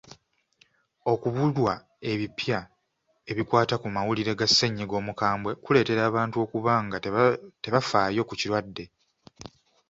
Okubulwa ebipya ebikwata ku mawulire ga ssennyiga omukambwe kuleetera abantu okuba nga tebafaayo ku kirwadde.